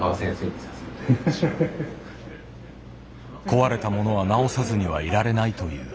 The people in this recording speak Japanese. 壊れたものは直さずにはいられないという。